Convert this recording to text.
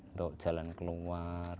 ada jalan keluar